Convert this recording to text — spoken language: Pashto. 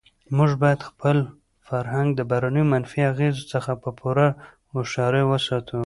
موږ باید خپل فرهنګ د بهرنیو منفي اغېزو څخه په پوره هوښیارۍ وساتو.